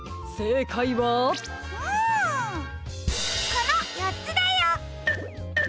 このよっつだよ！